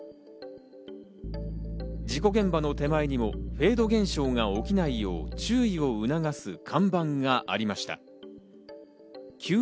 事故現場の手前にもフェード現象が起きないよう注意を促す看板がありました。